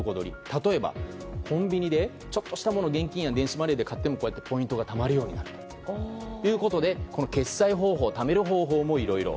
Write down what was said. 例えば、コンビニでちょっとしたものを現金や電子マネーで買ってもポイントがたまるようになるということでこの決済方法貯める方法もいろいろ。